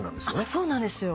そうなんですよ。